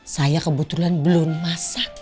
saya kebetulan belum masak